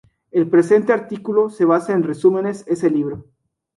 El presente artículo se basa en resúmenes ese libro.